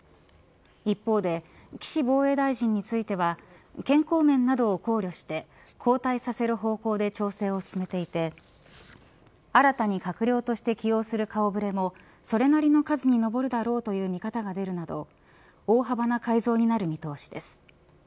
一方で岸防衛大臣については健康面などを考慮して交代させる方向で調整を進めていて新たに閣僚として起用する顔触れもそれなりの数に上るだろうとの見方が出るなど大幅な改造になる見通しです。